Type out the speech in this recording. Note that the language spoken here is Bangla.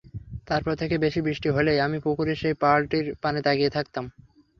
তারপর থেকে বেশি বৃষ্টি হলেই আমি পুকুরের সেই পাড়টির পানে তাকিয়ে থাকতাম।